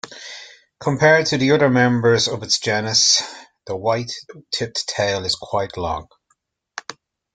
Compared to the other members of its genus, the white-tipped tail is quite long.